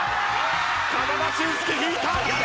風間俊介引いた！